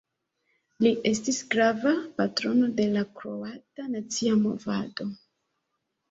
Li estis grava patrono de la kroata nacia movado.